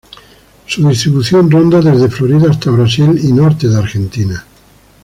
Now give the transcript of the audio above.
Su distribución ronda desde Florida hasta Brasil y norte de Argentina.